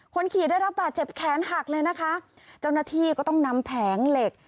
คนขี่ได้รับบาดเจ็บแขนหักเลยนะคะเจ้าหน้าที่ก็ต้องนำแผงเหล็ก